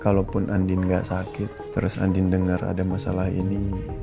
kalaupun andien gak sakit terus andien denger ada masalah ini